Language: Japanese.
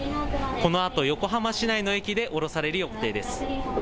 このあと横浜市内の駅で降ろされる予定です。